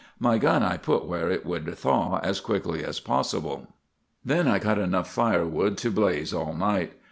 My gun I put where it would thaw as quickly as possible. "Then I cut enough firewood to blaze all night.